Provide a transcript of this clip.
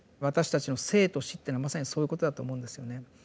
私たちの生と死っていうのはまさにそういうことだと思うんですよね。